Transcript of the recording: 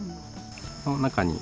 この中に。